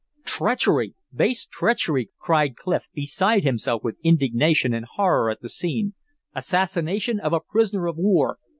"Treachery! base treachery!" cried Clif, beside himself with indignation and horror at the scene. "Assassination of a prisoner of war!